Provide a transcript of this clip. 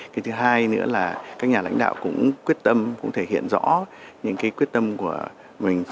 cái thứ hai nữa là các nhà lãnh đạo cũng quyết tâm cũng thể hiện rõ những quyết tâm của mình